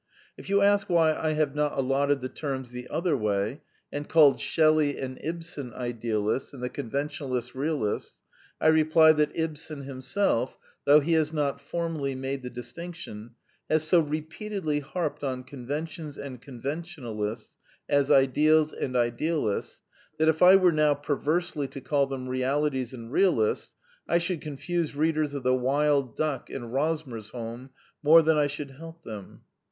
If you ask why I have not allotted the terms the other way, and called Shelley and Ibsen idealists and the conven tionalists realists, I reply that Ibsen himself, though he has not formally made the distinction, has so repeatedly harped on conventions and con ventionalists as ideals and idealists that if I were now perversely to call them realities and realists, I should confuse readers of The Wild Duck and Rosmersholm more than I should help them.